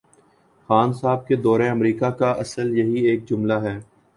خان صاحب کے دورہ امریکہ کا حاصل یہی ایک جملہ ہے۔